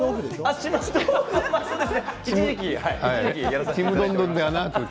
「ちむどんどん」ではなく？